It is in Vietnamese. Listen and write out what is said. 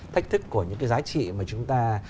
thách thức của những cái giá trị mà chúng ta